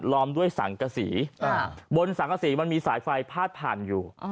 ล้อมด้วยสั่งกระสีบนสั่งกระสีมันมีสายไฟพาดผ่านอยู่